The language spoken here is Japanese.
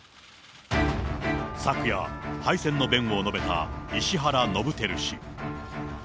昨夜、敗戦の弁を述べた石原伸晃氏。